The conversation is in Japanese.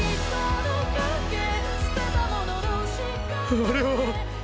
あれは。